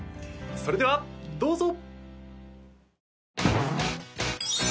それではどうぞ！